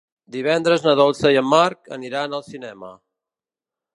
Divendres na Dolça i en Marc aniran al cinema.